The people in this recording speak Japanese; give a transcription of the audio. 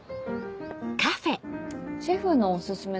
「シェフのおすすめ」